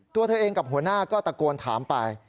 ตัวเธอเองกับหัวหน้าก็ตะโกนถามไป